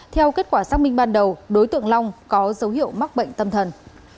theo kết quả xác minh ban đầu đối tượng long có dấu hiệu mắc bệnh tâm thần